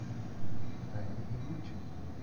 Rei Higuchi